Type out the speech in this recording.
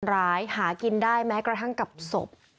ร้ายหากินได้แม้กระทั่งกับศพ